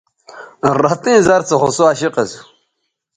رتئیں زَر سو خو سوعشق اسُو